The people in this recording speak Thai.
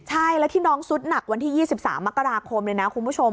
ใช่แล้วที่น้องสุดหนักวันที่๒๓มกราคมเลยนะคุณผู้ชม